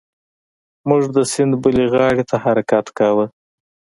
موږ د سیند بلې غاړې ته حرکت کاوه.